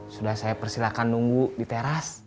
sudah saya persilahkan nunggu di teras